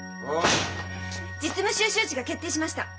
実務修習地が決定しました。